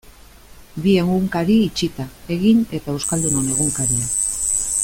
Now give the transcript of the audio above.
Bi egunkari itxita, Egin eta Euskaldunon Egunkaria.